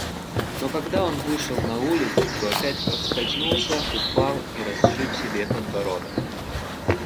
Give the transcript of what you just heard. Но когда он вышел на улицу, то опять поскользнулся, упал и расшиб себе подбородок.